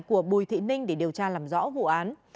của bùi thị ninh để điều tra làm rõ vụ án